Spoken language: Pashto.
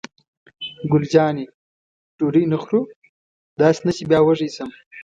ګل جانې: ډوډۍ نه خورو؟ داسې نه چې بیا وږې شم.